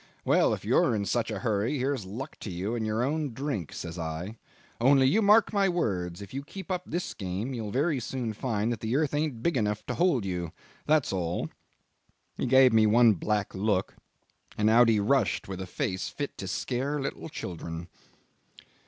'Well, if you're in such a hurry, here's luck to you in your own drink,' says I; 'only, you mark my words, if you keep up this game you'll very soon find that the earth ain't big enough to hold you that's all.' He gave me one black look, and out he rushed with a face fit to scare little children."